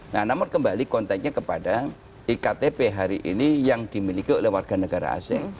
nah namun kembali konteknya kepada iktp hari ini yang dimiliki oleh warga negara asing